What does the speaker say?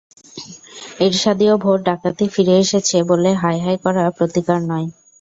এরশাদীয় vote ডাকাতি ফিরে এসেছে বলে হায় হায় করা প্রতিকার নয়।